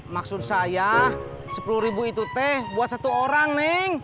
maksud saya sepuluh ribu itu teh buat satu orang nih